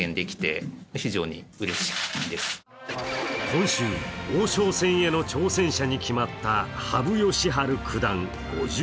今週、王将戦への挑戦者に決まった羽生善治九段。